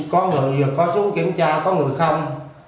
có người có xuống kiểm tra có người không